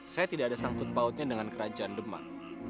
saya tidak ada sangkut pautnya dengan kerajaan demak